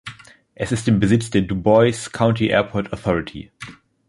Es ist im Besitz der Dubois County Airport Authority.